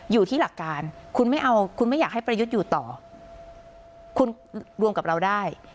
อยู่ที่หลักการคุณไม่เอาคุณไม่อยากให้ประยุทธ์อยู่ต่อคุณรวมกับเราได้